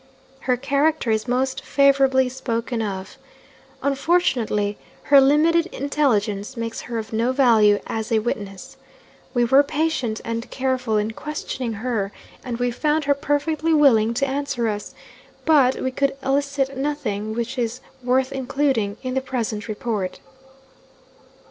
Her character is most favourably spoken of. Unfortunately, her limited intelligence makes her of no value as a witness. We were patient and careful in questioning her, and we found her perfectly willing to answer us; but we could elicit nothing which is worth including in the present report.